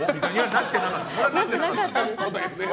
なってなかったです。